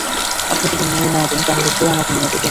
আপনি যদি ন্যায় না দেন, তাহলে কে আমাকে ন্যায় দেবে।